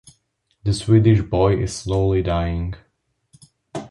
The Swedish boy is slowly dying.